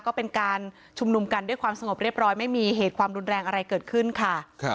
ก็เป็นการชุมนุมกันด้วยความสงบเรียบร้อยไม่มีเหตุความรุนแรงอะไรเกิดขึ้นค่ะ